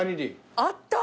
あった！